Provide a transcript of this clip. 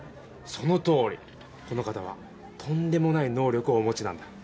そのとおりこの方はとんでもない能力をお持ちなんだ。